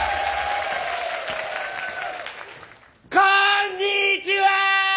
こんにちは！